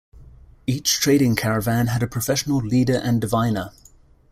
Each trading caravan had a professional leader and diviner.